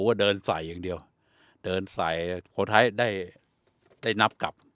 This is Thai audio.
ว่าเดินใส่อย่างเดียวเดินใส่คนไทยได้ได้นับกลับ